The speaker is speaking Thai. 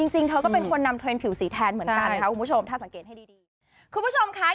จริงเธอก็เป็นนำเทรนด์ผิวสีแทนเหมือนกันนะคะคุณผู้ชม